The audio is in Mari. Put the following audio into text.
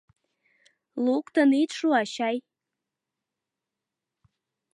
— Луктын ит шу, ачай!